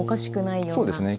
そうですね。